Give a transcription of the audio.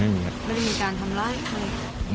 ไม่มีการทำร้าย